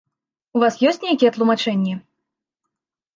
У вас ёсць нейкія тлумачэнні?